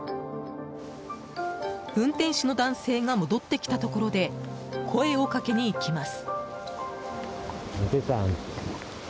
運転手の男性が戻ってきたところで声をかけにいきます。